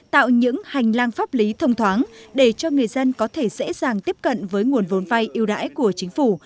tạo những hành lang pháp lý thông thoáng để cho người dân có thể dễ dàng tiếp cận với nguồn vốn vay yêu đãi của chính phủ